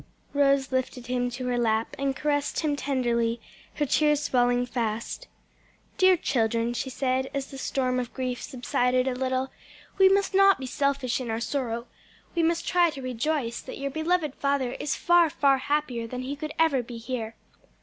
Rose lifted him to her lap and caressed him tenderly, her tears falling fast. "Dear children," she said, as the storm of grief subsided a little, "we must not be selfish in our sorrow; we must try to rejoice that your beloved father is far, far happier than he could ever be here.